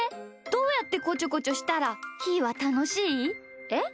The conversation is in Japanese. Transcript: どうやってこちょこちょしたらひーはたのしい？えっ？